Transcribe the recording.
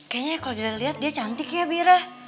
kayaknya kalau dia lihat dia cantik ya bira